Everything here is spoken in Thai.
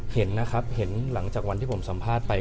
เห็นนะครับเห็นหลังจากวันที่ผมสัมภาษณ์ไป